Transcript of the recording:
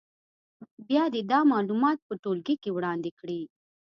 بیا دې دا معلومات په ټولګي کې وړاندې کړي.